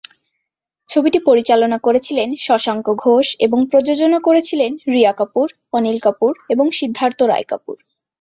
ছবিটি পরিচালনা করেছিলেন শশাঙ্ক ঘোষ এবং প্রযোজনা করেছিলেন রিয়া কাপুর, অনিল কাপুর এবং সিদ্ধার্থ রায় কাপুর।